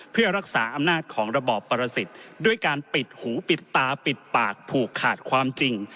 เพื่อรักษาอำนาจของระบอบประสิทธิ์ด้วยการปิดหูปิดตาปิดปากผูกขาดความจริง